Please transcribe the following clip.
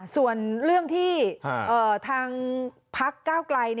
ส่วนเรื่องที่ทางพักก้าวไกล